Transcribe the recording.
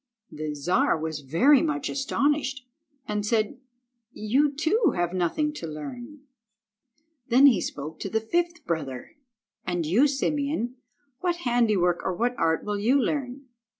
The Czar was very much astonished, and said— "You, too, have nothing to learn." Then he spoke to the fifth brother— "And you, Simeon, what handiwork or what art will you learn?"